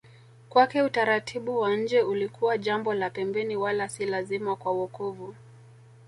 Kwake utaratibu wa nje ulikuwa jambo la pembeni wala si lazima kwa wokovu